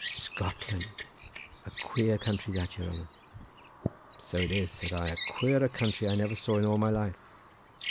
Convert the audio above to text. "Scotland! a queer country that, your honour!" "So it is," said I; "a queerer country I never saw in all my life."